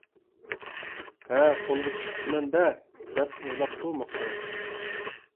«ھە، قولغا چۈشۈپتىمەن-دە» دەپ ئويلاپتۇ مۇختەر.